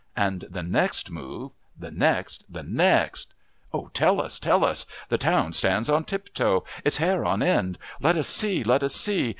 And the next move, the next! the next! Oh, tell us! Tell us! The Town stands on tiptoe; its hair on end. Let us see! Let us see!